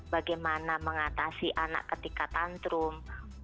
bagaimana mengatasi anak ketika tantrum